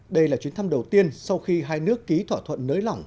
đây là chuyến thăm đầu tiên sau khi hai nước ký thỏa thuận nới lỏng